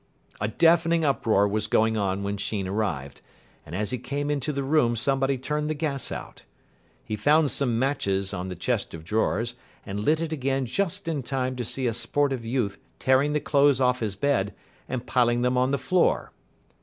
A deafening uproar was going on when Sheen arrived, and as he came into the room somebody turned the gas out. He found some matches on the chest of drawers, and lit it again just in time to see a sportive youth tearing the clothes off his bed and piling them on the floor.